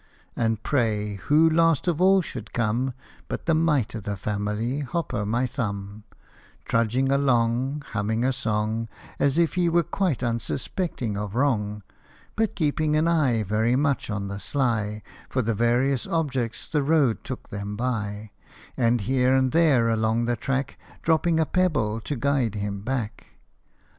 And, pray, who last of all should come But the mite of the family, Hop o' my Thumb r Trudging along, Humming a song, As if he were quite unsuspecting of wrong, But keeping an eye Very much on the sly On the various objects the road took them by, And here and there along the track Dropping a pebble to guide him back.